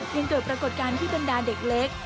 ยังเกิดปรากฏการณ์ที่บรรดาเด็กเล็ก